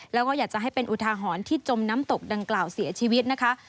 แล้วก็อยากจะให้เป็นอุทาหรณ์ที่จมน้ำตกดังกล่าวเสียชีวิตนะคะ